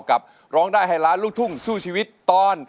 ร้องได้ให้ล้านลูกทุ่งสู้ชีวิตตอน